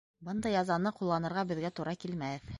Бындай язаны ҡулланырға беҙгә тура килмәҫ...